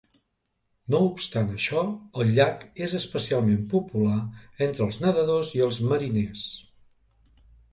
No obstant això, el llac és especialment popular entre els nedadors i els mariners.